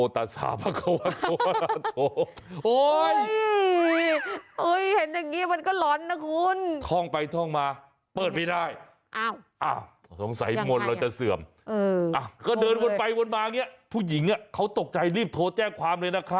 เทียดีที่ยืนตรงไหนมองขวา